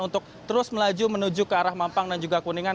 untuk terus melaju menuju ke arah mampang dan juga kuningan